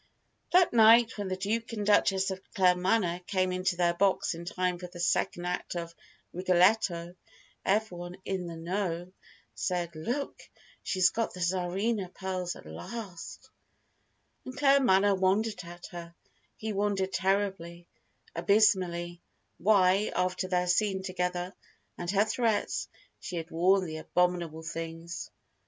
That night, when the Duke and Duchess of Claremanagh came into their box in time for the second act of "Rigoletto," everyone "in the know" said "Look! She's got the Tsarina pearls at last!" And Claremanagh wondered at her. He wondered terribly, abysmally, why, after their scene together, and her threats, she had worn the abominable things.